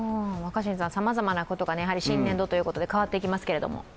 さまざまなことが新年度ということで変わっていきますけれども。